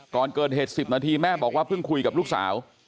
ก่อนเกิดเหตุ๑๐นาทีแม่บอกว่าเพิ่งคุยกับลูกสาว